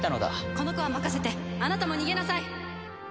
この子は任せてあなたも逃げなさい。